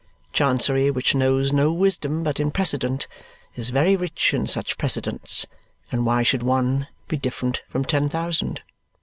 Chancery, which knows no wisdom but in precedent, is very rich in such precedents; and why should one be different from ten thousand?